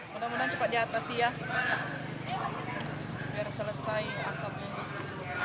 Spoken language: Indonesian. mudah mudahan cepat diatas ya biar selesai asapnya